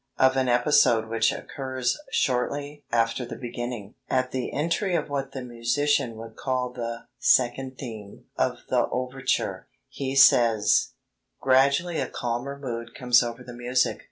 Of an episode which occurs shortly after the beginning (at the entry of what the musician would call the "second theme" of the overture), he says: "Gradually a calmer mood comes over the music.